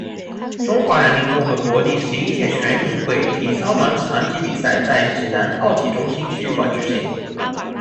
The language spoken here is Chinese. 中华人民共和国第十一届全运会体操男子团体比赛在济南奥体中心体育馆举行。